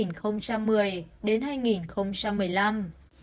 nhiệm kỳ hai nghìn một mươi hai nghìn một mươi năm